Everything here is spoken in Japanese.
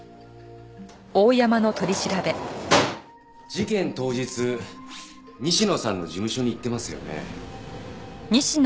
事件当日西野さんの事務所に行ってますよね？